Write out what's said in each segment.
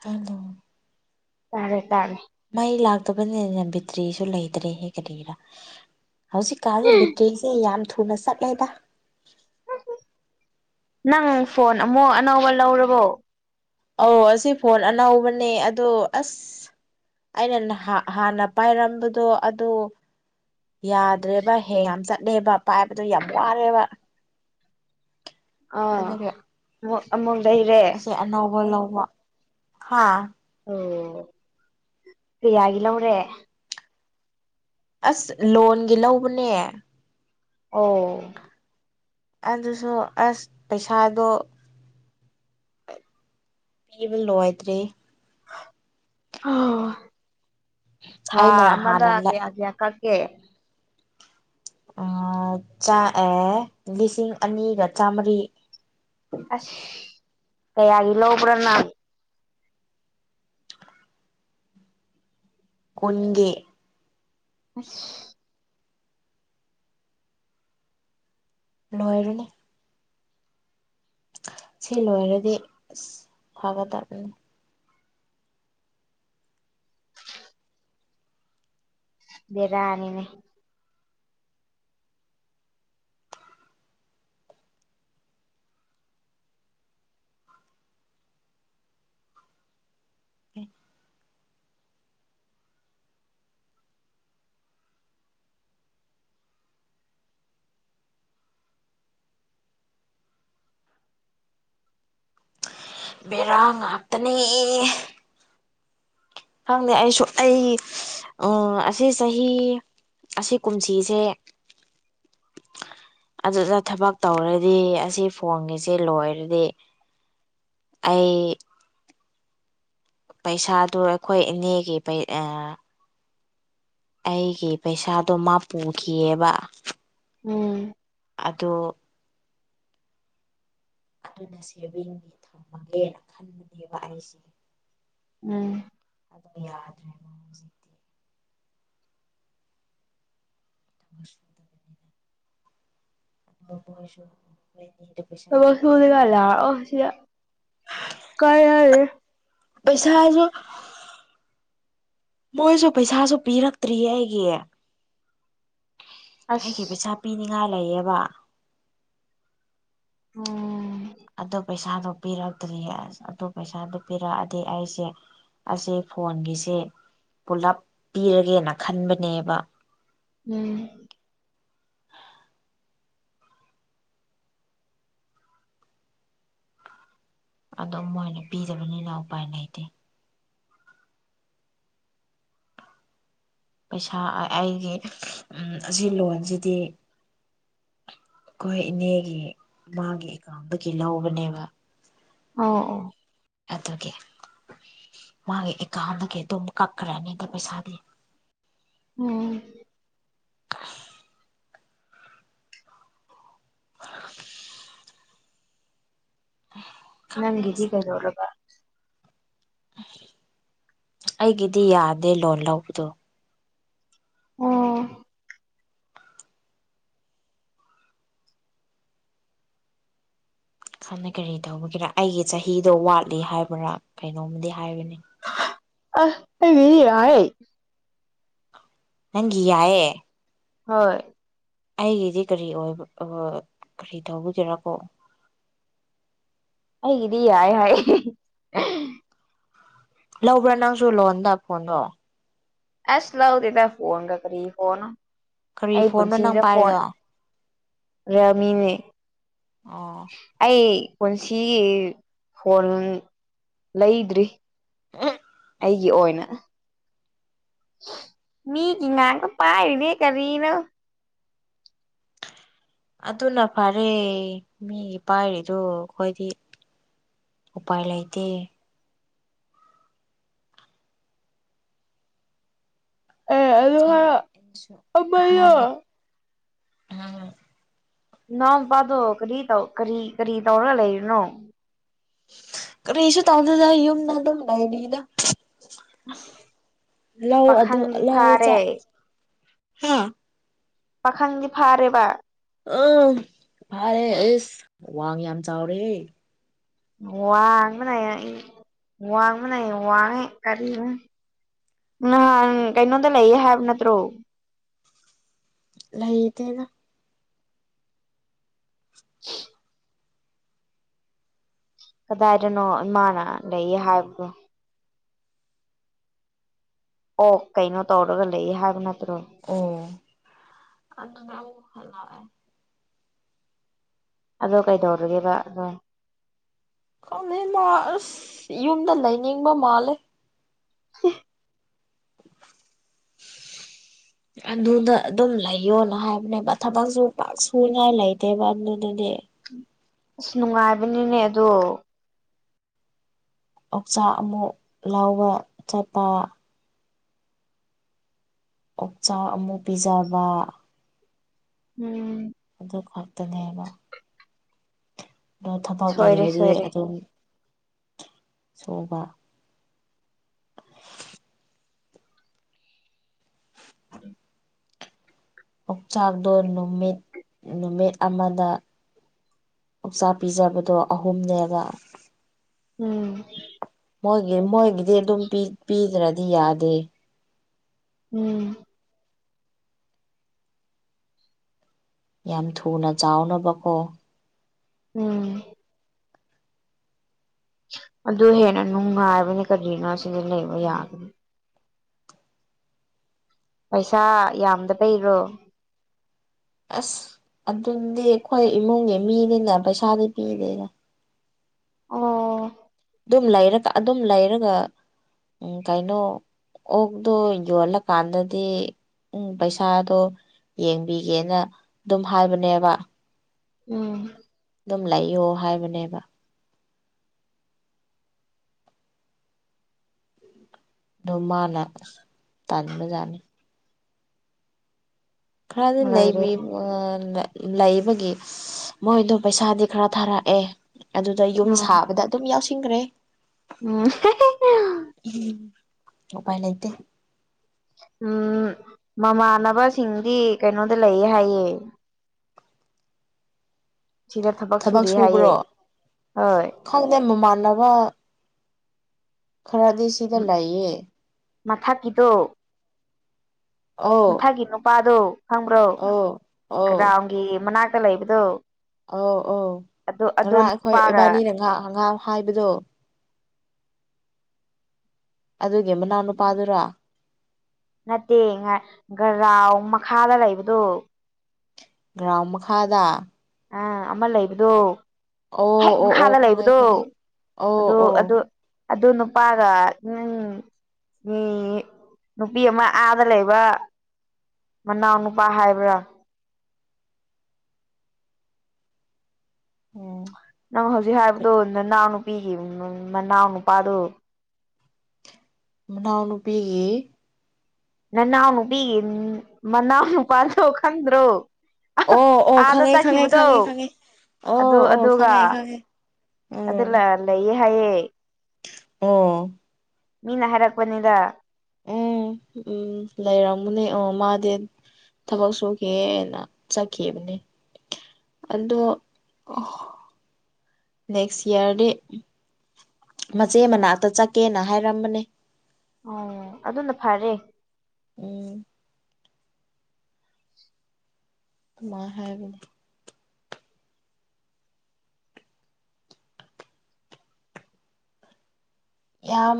ꯇꯥꯗꯣ ꯇꯥꯔꯦ ꯇꯥꯔꯦ ꯃꯩ ꯂꯥꯛꯇꯕꯅꯤꯅ ꯕꯤꯇ꯭ꯔꯤꯁꯨ ꯂꯩꯇ꯭ꯔꯦꯍꯦ ꯀꯔꯤꯔꯥ ꯍꯧꯖꯤꯛꯀꯥꯟꯖꯦ ꯕꯦꯇ꯭ꯔꯤꯖꯦ ꯌꯥꯝ ꯊꯨꯅ ꯆꯠꯂꯦꯗ ꯅꯪ ꯐꯣꯟ ꯑꯃꯨꯛ ꯑꯅꯧꯕ ꯂꯧꯔꯕꯣ ꯑꯧ ꯑꯁꯤ ꯐꯣꯟ ꯑꯅꯧꯕꯅꯦ ꯑꯗꯣ ꯑꯁ ꯑꯩꯅ ꯅꯥꯍ ꯍꯥꯟꯅ ꯄꯥꯏꯔꯝꯕꯗꯣ ꯑꯗꯣ ꯌꯥꯗ꯭ꯔꯦꯕ ꯍꯦꯡ ꯌꯥꯝ ꯆꯠꯂꯦꯕ ꯄꯥꯏꯕꯗꯣ ꯌꯥꯝ ꯋꯥꯔꯦꯕ ꯑ ꯑꯗꯨꯒꯤ ꯑꯃꯨꯛ ꯑꯃꯨꯛ ꯂꯩꯔꯦ ꯑꯁꯤ ꯑꯅꯧꯕ ꯂꯧꯕ ꯍꯥ ꯑꯣ ꯀꯌꯥꯒꯤ ꯂꯧꯔꯦ ꯑꯁ ꯂꯣꯟꯒꯤ ꯂꯧꯕꯅꯦ ꯑꯣ ꯑꯗꯨꯁꯨ ꯑꯁ ꯄꯩꯁꯥꯗꯣ ꯄꯤꯕ ꯂꯣꯏꯗ꯭ꯔꯤ ꯊꯥ ꯑꯩꯅ ꯑꯃꯗ ꯍꯥꯟꯅ ꯂ ꯀꯌꯥ ꯀꯌꯥ ꯀꯛ ꯀꯦ ꯑ ꯆꯥ ꯑꯦ ꯂꯤꯁꯤꯡ ꯑꯅꯤꯒ ꯆꯥꯝꯃꯔꯤ ꯑꯁ ꯀꯌꯥꯒꯤ ꯂꯧꯕ꯭ꯔ ꯅꯪ ꯀꯨꯟꯒꯤ ꯑꯁ ꯂꯣꯏꯔꯅꯤ ꯁꯤ ꯂꯣꯏꯔꯗꯤ ꯑꯁ ꯐꯒꯗꯕꯅꯤ ꯕꯦꯔꯥꯅꯤꯅꯦ [unintelligible] ꯕꯦꯔꯥ ꯉꯥꯛꯇꯅꯦ ꯈꯪꯗꯦ ꯑꯩꯁꯨ ꯑꯩ ꯎꯝ ꯑꯁꯤ ꯆꯍꯤ ꯑꯁꯤ ꯀꯨꯝꯁꯤꯁꯦ ꯑꯗꯨꯗ ꯊꯕꯛ ꯇꯧꯔꯗꯤ ꯑꯁꯤ ꯐꯣꯟꯒꯁꯦ ꯂꯣꯏꯔꯅꯤ ꯑꯩ ꯄꯩꯁꯥꯗꯣ ꯑꯩꯈꯣꯏ ꯏꯅꯦꯒꯤ ꯄꯩ ꯑ ꯑꯩꯒꯤ ꯄꯩꯁꯥꯗꯣ ꯃꯥ ꯄꯨꯈꯤꯌꯦꯕ ꯎꯝ ꯑꯗꯣ ꯑꯗꯨꯅ ꯁꯦꯚꯤꯡꯒꯤ ꯊꯝꯃꯒꯦꯅ ꯈꯟꯕꯅꯦꯕ ꯑꯩꯁꯦ ꯎꯝ ꯑꯗꯣ ꯌꯥꯗ꯭ꯔꯦꯕꯨ ꯍꯧꯖꯤꯛ [unintelligible] [inaudible] ꯍꯣꯏꯁꯨ ꯊꯕꯛ ꯁꯨꯅꯤꯡꯉꯥꯢ ꯂꯥꯛꯑꯣ ꯁꯤꯗ ꯀꯥꯟꯅꯅꯤ ꯄꯩꯁꯥꯖꯨ ꯃꯣꯏꯁꯨ ꯄꯩꯁꯥꯁꯨ ꯄꯤꯔꯛꯇ꯭ꯔꯤꯌꯦ ꯑꯩꯒꯤ ꯑꯁ ꯑꯩꯒꯤ ꯄꯩꯁꯥ ꯄꯤꯅꯤꯡꯉꯥꯏ ꯂꯩꯌꯦꯕ ꯎꯝ ꯑꯗꯣ ꯄꯩꯁꯥꯗꯣ ꯄꯤꯔꯛꯇ꯭ꯔꯤꯌꯦ ꯑꯁ ꯑꯗꯣ ꯄꯩꯁꯥꯗꯣ ꯄꯤꯔꯛꯑꯗꯤ ꯑꯩꯁꯦ ꯑꯁꯦ ꯐꯣꯟꯒꯤꯁꯦ ꯄꯨꯂꯞ ꯄꯤꯔꯒꯦꯅ ꯈꯟꯕꯅꯦꯕ ꯎꯝ ꯑꯗꯣ ꯃꯣꯏꯅ ꯄꯤꯗꯕꯅꯤꯅ ꯎꯄꯥꯏ ꯂꯩꯇꯦ ꯄꯩꯁꯥ ꯑꯩ ꯑꯩꯒꯤ ꯑꯁꯤ ꯂꯣꯟꯁꯤꯗꯤ ꯑꯩꯈꯣꯏ ꯏꯅꯦꯒꯤ ꯃꯥꯒꯤ ꯑꯦꯀꯥꯎꯟꯗꯒꯤ ꯂꯧꯕꯅꯦꯕ ꯑꯣ ꯑꯣ ꯑꯗꯨꯒꯤ ꯃꯥꯒꯤ ꯑꯦꯀꯥꯎꯟꯗꯒꯤ ꯑꯗꯨꯝ ꯀꯛꯈ꯭ꯔꯅꯤꯗ ꯄꯩꯁꯥꯗꯤ ꯎꯝ ꯎꯝ ꯅꯪꯒꯤꯗꯤ ꯀꯩꯗꯧꯔꯕ ꯑꯩꯒꯤꯗꯤ ꯌꯥꯗꯦ ꯂꯣꯟ ꯂꯧꯕꯗꯣ ꯑꯣ ꯍꯥꯟꯅ ꯀꯔꯤ ꯇꯧꯕꯒꯤꯔ ꯑꯩꯒꯤ ꯆꯍꯤꯗꯣ ꯋꯥꯠꯂꯤ ꯍꯥꯏꯕ꯭ꯔꯥ ꯀꯩꯅꯣꯝꯃꯗꯤ ꯍꯥꯏꯕꯅꯦ ꯑꯥ ꯑꯩꯒꯤꯗꯤ ꯌꯥꯢꯌꯦ ꯅꯪꯒꯤ ꯌꯥꯏꯌꯦ ꯍꯣꯏ꯫ ꯑꯩꯒꯤꯗꯤ ꯀꯔꯤ ꯑꯣꯏꯕ ꯑ ꯀ꯭ꯔꯤ ꯇꯧꯕꯒꯤꯔꯥ ꯀꯣ꯫ ꯑꯩꯒꯤꯗꯤ ꯌꯥꯏ ꯍꯥꯏ꯫ ꯂꯧꯕ꯭ꯔꯥ ꯅꯪꯁꯨ ꯂꯣꯟꯗ ꯐꯣꯟꯗꯣ꯫ ꯑꯁ ꯂꯧꯗꯦꯗ ꯐꯣꯟꯒ ꯀ꯭ꯔꯤ ꯐꯣꯟꯅꯣ ꯀꯔꯤ ꯑꯩ ꯐꯣꯟꯅꯣ ꯅꯪ ꯄꯨꯁꯤꯗ ꯐꯣꯟ ꯄꯥꯏꯔꯤꯗꯣ ꯔꯃꯤꯅꯦ ꯑꯣ꯫ ꯑꯩ ꯄꯨꯟꯁꯤꯒꯤ ꯐꯣꯟ ꯂꯩꯗ꯭ꯔꯤ꯫ ꯑꯩꯒꯤ ꯑꯣꯏꯅ꯫ ꯃꯤꯒꯤ ꯉꯥꯡꯇ ꯄꯥꯢꯔꯤꯅꯦ ꯀꯔꯤꯅꯣ꯫ ꯑꯗꯨꯅ ꯐꯔꯦ ꯃꯤꯒꯤ ꯄꯥꯏꯔꯤꯗꯣ ꯑꯩꯈꯣꯏꯗꯤ ꯎꯄꯥꯏ ꯂꯩꯇꯦ꯫ ꯑꯦ ꯑꯗꯨ ꯍꯥꯏꯔ ꯈꯪꯉꯦ ꯑꯩꯁꯨ ꯑꯃꯗꯣ ꯍꯥꯟꯅ ꯑꯝ꯫ ꯅꯅꯥꯎ ꯅꯨꯄꯥꯗꯣ ꯀꯔꯤ ꯇꯧ ꯀꯔꯤ ꯀꯔꯤ ꯇꯧꯔꯒ ꯂꯩꯔꯤꯅꯣ꯫ ꯀꯔꯤꯁꯨ ꯇꯧꯗꯦꯗ ꯌꯨꯝꯗ ꯍꯟꯗꯛ ꯂꯩꯔꯤꯗ꯫ ꯂꯧ ꯑꯗꯨ ꯄꯥꯈꯪꯗꯤ ꯂꯧꯋꯣ ꯐꯥꯔꯦ ꯆꯥꯛ ꯍꯥ꯫ ꯄꯥꯈꯪꯗꯤ ꯐꯥꯔꯦꯕ꯫ ꯑ ꯐꯥꯔꯦ ꯑꯦꯁ ꯋꯥꯡ ꯌꯥꯝ ꯆꯥꯎꯔꯦꯍꯦ꯫ ꯋꯥꯡꯕꯅꯦ ꯑꯩ ꯋꯥꯡꯕꯅꯦ ꯋꯥꯡꯉꯦ ꯀꯔꯤꯅꯣ ꯅꯍꯥꯟ ꯀꯩꯅꯣꯗ ꯂꯩꯌꯦ ꯍꯥꯏꯕ ꯅꯠꯇ꯭ꯔꯣ꯫ ꯂꯩꯇꯦꯗ꯫ ꯎ ꯀꯗꯥꯏꯗꯅꯣ ꯏꯃꯥꯅ ꯂꯩꯌꯦ ꯍꯥꯏꯕꯗꯣ꯫ ꯑꯣ ꯀꯩꯅꯣ ꯇꯧꯔꯒ ꯂꯩꯌꯦ ꯍꯥꯏꯕ ꯅꯠꯇ꯭ꯔꯣ꯫ ꯎꯝ ꯑꯗꯨꯅ ꯑꯃꯨꯛ ꯍꯜꯂꯛꯑꯦ꯫ ꯑꯗꯣ ꯀꯩꯗꯧꯔꯒꯦꯕ ꯑꯗꯣ꯫ ꯈꯪꯗꯦ ꯃꯥ ꯑꯁ ꯌꯨꯝꯗ ꯂꯩꯅꯤꯡꯕ ꯃꯥꯜꯂꯦ꯫ [unintelligible] [unintelligible] ꯑꯗꯨꯗ ꯑꯗꯨꯝ ꯂꯩꯌꯣꯅ ꯍꯥꯏꯕꯅꯦꯕ ꯊꯕꯛꯁꯨ ꯄꯥꯛ ꯁꯨꯉꯥꯏ ꯂꯩꯇꯦꯕ ꯑꯗꯨꯗꯗꯤ ꯑꯁ ꯅꯨꯡꯉꯥꯏꯕꯅꯤꯅꯦ ꯑꯗꯣ꯫ ꯑꯣꯎꯆꯥꯛ ꯑꯃꯨꯛ ꯂꯧꯕ ꯆꯠꯄ ꯑꯣꯛꯆꯥꯛ ꯑꯃꯨꯛ ꯄꯤꯖꯕ ꯎꯝ꯫ ꯑꯗꯨ ꯈꯛꯇꯅꯦꯕ꯫ ꯑꯗꯣ ꯊꯕꯛ ꯁꯣꯏꯔꯦ ꯂꯩꯔꯗꯤ ꯁꯣꯏꯔꯦ ꯑꯗꯨꯝ ꯁꯨꯕ꯫ ꯑꯣꯛꯆꯥꯛꯇꯣ ꯅꯨꯃꯤꯠ ꯅꯨꯃꯤꯠ ꯑꯃꯗ ꯑꯣꯛꯆꯥꯛ ꯄꯤꯖꯕꯗꯣ ꯑꯍꯨꯝꯅꯦꯕ꯫ ꯎꯝ꯫ ꯃꯣꯏꯒꯤ ꯃꯣꯏꯒꯤꯗꯤ ꯑꯗꯨꯝ ꯄꯤ ꯄꯤꯗ꯭ꯔꯗꯤ ꯌꯥꯗꯦ꯫ ꯎꯝ꯫ ꯌꯥꯝ ꯊꯨꯅ ꯆꯥꯎꯅꯕꯀꯣ꯫ ꯎꯝ꯫ ꯑꯗꯨ ꯍꯦꯟꯅ ꯅꯨꯡꯉꯥꯏꯕꯅꯤ ꯀꯔꯤꯅꯣ ꯁꯤꯗꯤ ꯂꯩꯕ ꯌꯥꯒꯅꯤ꯫ ꯄꯩꯁꯥ ꯌꯥꯝꯗ ꯕꯩꯔꯣ ꯑ꯭ꯁ ꯑꯗꯨꯅꯦ ꯑꯩꯈꯣꯏ ꯏꯃꯨꯡꯒꯤ ꯃꯤꯅꯤꯅ ꯄꯩꯁꯥꯗꯤ ꯄꯤꯗꯦꯅ ꯑꯣ ꯑꯗꯨꯝ ꯂꯩꯔꯒ ꯑꯗꯨꯝ ꯂꯩꯔꯒ ꯎꯪ ꯀꯩꯅꯣ ꯑꯣꯛꯇꯣ ꯌꯣꯜꯂꯀꯥꯟꯗꯗꯤ ꯎꯝ ꯄꯩꯁꯥꯗꯣ ꯌꯦꯡꯕꯤꯒꯦꯅ ꯑꯗꯨꯝ ꯍꯥꯏꯕꯅꯦꯕ ꯎꯝ ꯑꯗꯨꯝ ꯂꯩꯥꯌꯣ ꯍꯥꯏꯕꯅꯦꯕ ꯑꯗꯣ ꯃꯥꯅ ꯑ꯭ꯁ ꯇꯟꯕꯖꯥꯠꯅꯤ ꯈꯔꯗꯤ ꯂꯩꯕꯤ ꯂꯣꯏꯔꯦꯗ [unintelligible] ꯂꯩꯕꯒꯤ ꯃꯣꯏꯗꯣ ꯄꯩꯁꯥꯗꯤ ꯈꯔ ꯊꯥꯔꯛꯑꯦ ꯑꯗꯨꯗ ꯌꯨꯝ ꯑꯥ ꯁꯥꯕꯗ ꯑꯗꯨꯝ ꯌꯥꯎꯁꯤꯟꯈ꯭ꯔꯦ ꯎꯝ ꯎꯄꯥꯏ ꯂꯩꯇꯦ ꯎꯝ ꯃꯃꯥꯟꯅꯕꯁꯤꯡꯗꯤ ꯀꯩꯅꯣꯗ ꯂꯩꯌꯦ ꯍꯥꯏꯌꯦ ꯁꯤꯤ [unintelligible] ꯊꯕꯛ ꯁꯨꯕ꯭ꯔꯣ ꯈꯪꯗꯦ ꯃꯃꯥꯟꯅꯕ ꯈꯔꯗꯤ ꯁꯤꯗ ꯂꯩꯌꯦ ꯃꯊꯛꯀꯤꯗꯣ ꯑꯧ ꯃꯊꯛꯒꯤ ꯅꯨꯄꯥꯗꯣ ꯈꯪꯕ꯭ꯔꯣ ꯑꯧ ꯑꯧ ꯒ꯭ꯔꯥꯎꯟꯒꯤ ꯃꯅꯥꯛꯇ ꯂꯩꯕꯗꯣ ꯑꯧ ꯑꯧ ꯑꯗꯨ ꯑꯗꯨ ꯉꯔꯥꯡ ꯑꯩꯈꯣꯏ ꯅꯨꯄꯥꯒ ꯏꯕꯥꯅꯤꯅ ꯉꯍꯥꯛ ꯉꯍꯥ ꯍꯥꯏꯕꯗꯣ ꯑꯗꯨꯒꯤ ꯃꯅꯥꯎꯅꯨꯄꯥꯗꯨꯔꯥ ꯅꯠꯇꯦ ꯒꯔꯥꯎ ꯃꯈꯥꯗ ꯂꯩꯕꯗꯨ ꯒ꯭ꯔꯥꯎꯟ ꯃꯈꯥꯗ ꯑꯥ ꯑꯃ ꯂꯩꯕꯗꯣ ꯑꯣ ꯍꯦꯛ ꯑꯣ ꯑꯣ ꯃꯈꯥꯗ ꯈꯪꯉꯦ ꯂꯩꯕꯗꯣ ꯈꯪꯉꯦ ꯑꯣ ꯑꯗꯨ ꯑꯣ ꯑꯗꯨ ꯑꯗꯨ ꯅꯨꯄꯥꯒ ꯅꯪ ꯃꯤ ꯅꯨꯄꯤ ꯑꯃ ꯑꯥꯗ ꯂꯩꯕ ꯃꯅꯥꯎ ꯅꯨꯄꯥ ꯍꯥꯏꯕ꯭ꯔꯥ ꯎꯝ ꯅꯪ ꯍꯧꯖꯤꯛ ꯍꯥꯏꯕꯗꯣ ꯅꯅꯥꯎ ꯅꯨꯄꯤꯒꯤ ꯃꯅꯥꯎ ꯅꯨꯄꯥꯗꯣ ꯃꯅꯥꯎ ꯅꯨꯨꯄꯤꯒꯤ ꯅꯅꯥꯎ ꯅꯨꯄꯤꯒꯤ ꯃꯅꯥꯎ ꯅꯨꯄꯥꯥꯗꯣ ꯈꯪꯗ꯭ꯔꯣ ꯑꯣ ꯑꯣ ꯑꯥꯗ ꯈꯪꯉꯦ ꯈꯪꯉꯦ ꯆꯠꯈꯤꯕꯗꯣ ꯈꯪꯉꯦ ꯈꯪꯉꯦ ꯑꯗꯨ ꯑꯣ ꯑꯣ ꯑꯗꯨꯒ ꯈꯪꯉꯦ ꯈꯪꯉꯦ ꯑꯗꯨ ꯎꯝ ꯂ ꯂꯩꯌꯦ ꯍꯥꯏꯌꯦ ꯑꯣ ꯃꯤꯅ ꯍꯥꯏꯔꯛꯄꯅꯤꯗ ꯑꯣ ꯎꯝ ꯂꯩꯔꯝꯒꯅꯤ ꯑꯣ ꯃꯥꯗꯤ ꯊꯕꯛ ꯁꯨꯈꯤꯌꯦꯅ ꯆꯠꯈꯤꯕꯅꯦ ꯑꯗꯣ ꯅꯦꯛꯁ ꯏꯌꯥꯔꯗꯤ ꯃꯆꯦ ꯃꯅꯥꯛꯇ ꯆꯠꯀꯦꯅ ꯍꯥꯏꯔꯝꯕꯅꯦ ꯑꯣ ꯑꯗꯨꯅ ꯐꯔꯦ ꯎꯝ ꯑꯗꯨꯃꯥꯏ ꯍꯥꯏꯕꯅꯦ ꯌꯥꯝ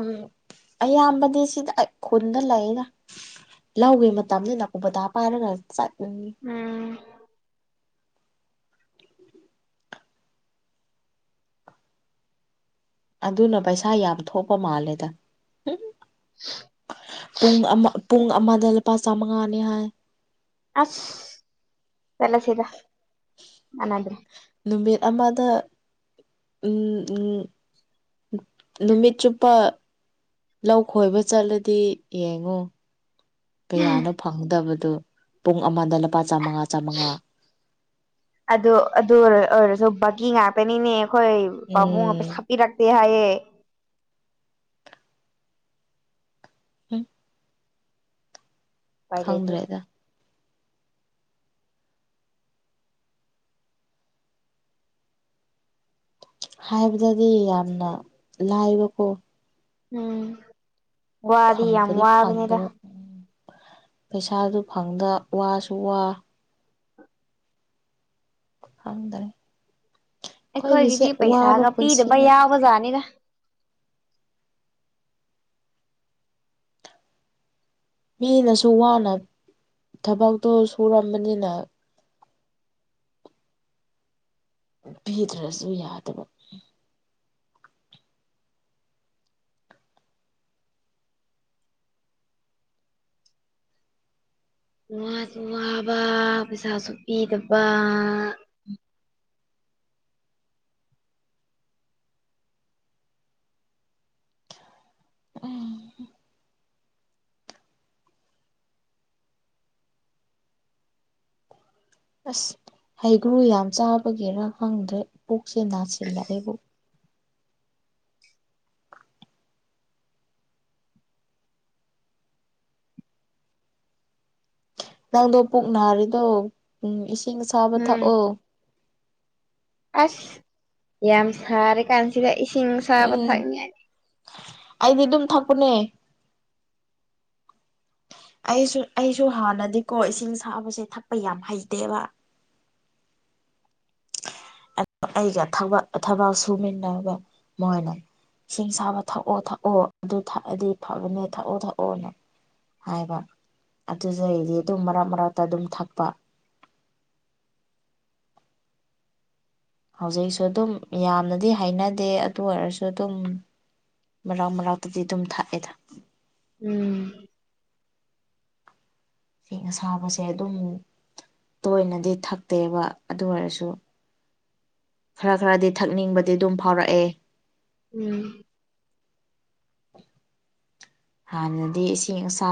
ꯑꯌꯥꯝꯕꯗꯤ ꯁꯤꯗ ꯈꯨꯟꯗ ꯂꯩꯌꯦꯗ ꯂꯧꯒꯤ ꯃꯇꯝꯅꯤꯅ ꯀꯣꯕꯨꯇꯥ ꯄꯥꯏꯔꯒ ꯆꯠꯂꯤꯅꯤ ꯎꯝ ꯑꯗꯨꯅ ꯄꯩꯁꯥ ꯌꯥꯝ ꯊꯣꯛꯄ ꯃꯥꯜꯂꯦꯗ ꯍ [inaudible] ꯄꯨꯡ ꯑꯃ ꯄꯨꯡ ꯑꯃꯗ ꯂꯨꯄꯥ ꯆꯥꯝꯃꯉꯥꯅꯤ ꯍꯥꯏ ꯑꯁ ꯆꯠꯂꯁꯤꯗ ꯀꯥꯟꯅꯗꯦ ꯅꯨꯃꯤꯠ ꯑꯃꯗ ꯎꯝ ꯎꯝ ꯅꯨꯃꯤꯠ ꯆꯨꯞꯄ ꯂꯧ ꯈꯣꯏꯕ ꯆꯠꯂꯗꯤ ꯌꯦꯡꯉꯣ ꯀꯌꯥꯅꯣ ꯐꯪꯒꯗꯕꯗꯣ ꯄꯨꯡ ꯑꯃꯗ ꯂꯨꯄꯥ ꯆꯥꯃꯉꯥ ꯆꯥꯃꯉꯥ ꯑꯗꯨ ꯑꯗꯨ ꯑꯣꯏꯔꯁꯨ ꯕꯥꯛꯀꯤ ꯉꯥꯛꯇꯅꯤꯅꯦ ꯑꯩꯈꯣꯏ ꯄꯥꯕꯨꯡꯅ ꯎꯝ ꯄꯩꯁꯥ ꯄꯤꯔꯛꯇꯦ ꯍꯥꯏꯌꯦ ꯎꯝ ꯎꯄꯥꯏ ꯂꯩꯇꯦ ꯈꯪꯗ꯭ꯔꯦꯗ ꯍꯥꯏꯕꯗꯗꯤ ꯌꯥꯝꯅ ꯂꯥꯏꯕꯀꯣ ꯎꯝ ꯋꯥꯗꯤ ꯌꯥꯝ ꯐꯪꯕꯗꯤ ꯋꯥꯕꯅꯤꯗ ꯐꯪꯒꯅꯤ ꯄꯩꯁꯥꯁꯨ ꯐꯪꯗ ꯋꯥꯁꯨ ꯋꯥ ꯈꯪꯗ꯭ꯔꯦ ꯑꯩꯈꯣꯏꯒꯤꯁꯦ ꯋꯥꯕ ꯄꯨꯟꯁꯤꯅ ꯋꯥꯕꯖꯠꯅꯤꯗ ꯃꯤꯅꯁꯨ ꯋꯥꯅ ꯊꯕꯛꯇꯣ ꯁꯨꯔꯝꯕꯅꯤꯅ ꯄꯤꯗ꯭ꯔꯁꯨ ꯌꯥꯗꯕ ꯋꯥꯁꯨ ꯋꯥꯕ ꯄꯩꯁꯥꯁꯨ ꯄꯤꯗꯕ ꯎꯝ ꯑꯁ ꯍꯩꯒ꯭ꯔꯨ ꯌꯥꯝ ꯆꯥꯕꯒꯤꯔꯥ ꯈꯪꯗ꯭ꯔꯦ ꯄꯨꯛꯁꯦ ꯅꯥꯁꯤꯜꯂꯛꯑꯦꯕꯨ ꯅꯪꯗꯣ ꯄꯨꯛ ꯅꯥꯔꯤꯗꯣ ꯎꯝ ꯏꯁꯤꯡ ꯑꯁꯥꯕ ꯎꯝ ꯊꯛꯑꯣ ꯑꯁ ꯌꯥꯝ ꯁꯥꯔꯤꯀꯥꯟꯁꯤꯗ ꯏꯁꯤꯡ ꯑꯁꯥꯕ ꯎꯝ ꯊꯥꯛꯅꯤꯉꯥꯏ ꯑꯩꯗꯤ ꯑꯗꯨꯝ ꯊꯛꯄꯅꯦ ꯑꯩꯁꯨ ꯑꯩꯁꯨ ꯍꯥꯟꯅꯗꯤꯀꯣ ꯏꯁꯤꯡ ꯑꯁꯥꯕꯁꯦ ꯊꯛꯄ ꯌꯥꯝ ꯍꯩꯇꯦꯕ ꯑꯩꯒ ꯊꯕꯛ ꯁꯨꯃꯤꯟꯅꯕ ꯃꯣꯏꯅ ꯢꯁꯤꯡ ꯑꯁꯥꯕ ꯊꯛꯑꯣ ꯊꯛꯑꯣ ꯑꯗꯨ ꯊꯛꯑꯗꯤ ꯐꯕꯅꯦ ꯊꯛꯑꯣ ꯊꯛꯑꯣꯅ ꯍꯥꯏꯕ ꯑꯗꯨꯗꯩꯗꯤ ꯑꯗꯨꯝ ꯃꯔꯛ ꯃꯔꯛꯇ ꯑꯗꯨꯝ ꯊꯛꯄ ꯍꯧꯖꯤꯛꯁꯨ ꯑꯗꯨꯝ ꯌꯥꯝꯅꯗꯤ ꯍꯥꯏꯅꯗꯦ ꯑꯗꯨ ꯑꯣꯏꯔꯁꯨ ꯑꯗꯨꯝ ꯃꯔꯥꯛ ꯃꯔꯥꯛꯇꯗꯤ ꯑꯗꯨꯝ ꯊꯥꯛꯑꯦꯗ ꯎꯝ ꯢꯁꯤꯡ ꯑꯁꯥꯕꯁꯦ ꯑꯗꯨꯝ ꯇꯣꯏꯅꯗꯤ ꯊꯛꯇꯦꯕ ꯑꯗꯨ ꯑꯣꯏꯔꯁꯨ ꯈꯔ ꯈꯔꯗꯤ ꯊꯛꯅꯤꯡꯕꯗꯤ ꯑꯗꯨꯝ ꯐꯥꯎꯔꯛꯑꯦ ꯎꯝ ꯍꯥꯟꯅꯗꯤ ꯏꯁꯤꯡ ꯑꯁꯥ